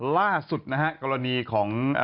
ล่าสุดนะฮะกรณีของ